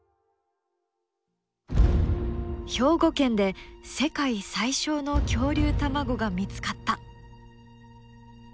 兵庫県で世界最小の恐竜卵が見つかった！